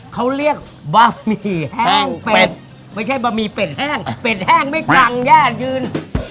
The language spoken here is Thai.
เขาเรียกบะหมี่แห้งเป็ดไม่ใช่บะหมี่เป็ดแห้งเป็ดแห้งไม่กรังย่ายืน